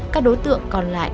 các đối tượng còn lại